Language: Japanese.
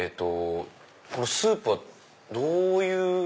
このスープはどういう。